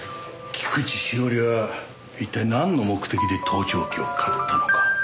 菊地詩織は一体なんの目的で盗聴器を買ったのか。